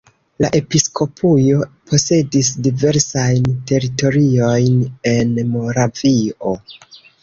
La episkopujo posedis diversajn teritoriojn en Moravio.